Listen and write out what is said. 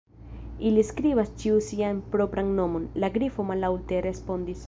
"Ili skribas ĉiu sian propran nomon," la Grifo mallaŭte respondis.